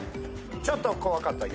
ちょっと怖かった？